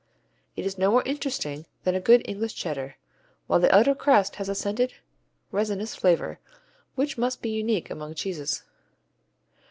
It is no more interesting than a good English Cheddar, while the outer crust has a scented, resinous flavor which must be unique among cheeses.